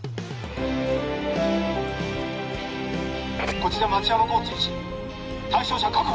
こちら町山交通１対象者確保